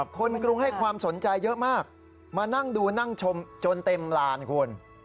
กรุงให้ความสนใจเยอะมากมานั่งดูนั่งชมจนเต็มลานคุณ